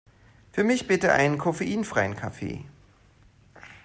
Für mich bitte einen koffeinfreien Kaffee!